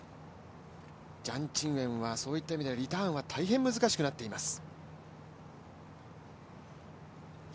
ジャン・チンウェンはそういった意味ではリターンは大変難しくなっています。